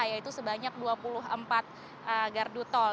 yaitu sebanyak dua puluh empat gardu tol